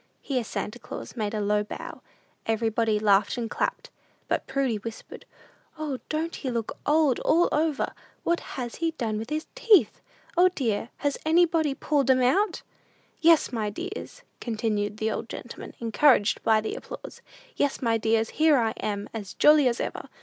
(Here Santa Claus made a low bow. Everybody laughed and clapped; but Prudy whispered, "O, don't he look old all over? What has he done with his teeth? O, dear, has anybody pulled 'em out?") "Yes, my dears," continued the old gentleman, encouraged by the applause, "yes, my dears, here I am, as jolly as ever!